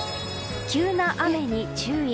急な雨に注意。